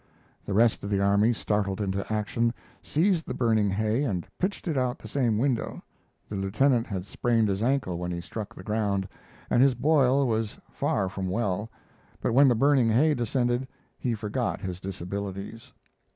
The rest of the army, startled into action, seized the burning hay and pitched it out of the same window. The lieutenant had sprained his ankle when he struck the ground, and his boil was far from well, but when the burning hay descended he forgot his disabilities.